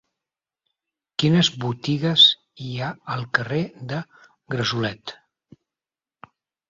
Quines botigues hi ha al carrer de Gresolet?